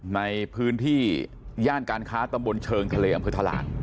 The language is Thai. ในพื้นที่ย่านการค้าตำบลเชิงทะเลอำเภอทะลาน